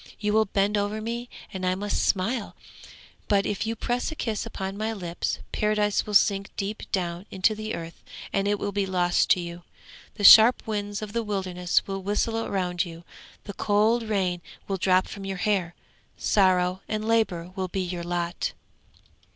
You will bend over me and I must smile, but if you press a kiss upon my lips Paradise will sink deep down into the earth, and it will be lost to you. The sharp winds of the wilderness will whistle round you, the cold rain will drop from your hair. Sorrow and labour will be your lot.'